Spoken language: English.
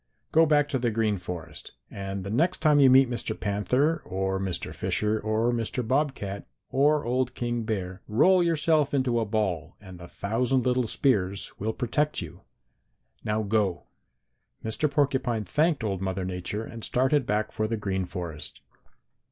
Go back to the Green Forest, and the next time you meet Mr. Panther or Mr. Fisher or Mr. Bobcat or old King Bear roll yourself into a ball and the thousand little spears will protect you. Now go!' "Mr. Porcupine thanked old Mother Nature and started back for the Green Forest.